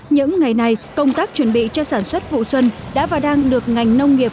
những ngày này công tác chuẩn bị cho sản xuất vụ xuân đã và đang được ngành nông nghiệp